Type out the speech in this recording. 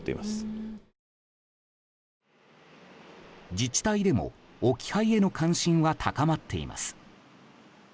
自治体でも置き配への関心は高まっています。